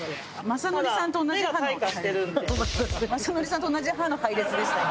雅紀さんと同じ歯の配列でした。